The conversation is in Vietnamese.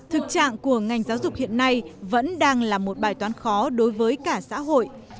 thực trạng của ngành giáo dục hiện nay vẫn đang là một bài toán khó đối với cả xã hội